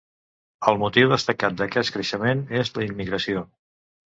El motiu destacat d'aquest creixement és la immigració.